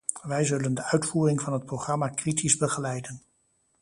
Wij zullen de uitvoering van het programma kritisch begeleiden.